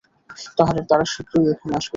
তারা শীঘ্রই এখানে আসবে।